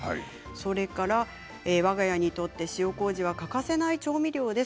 それからわが家にとって塩こうじは欠かせない調味料です。